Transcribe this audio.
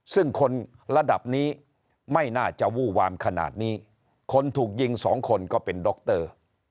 ซึ่งคนระดับนี้ไม่น่าจะวู้วามขนาดนี้คนถูกยิงสองคนก็เป็นดร